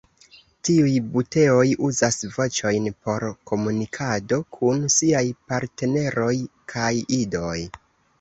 Tiuj buteoj uzas voĉojn por komunikado kun siaj partneroj kaj idoj.